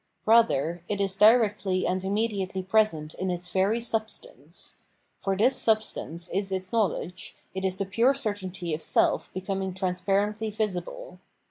Eather, it is directly and immediately present in its very substance ; for this substance is its knowledge, it is the pure certainty of self become trans parently visible.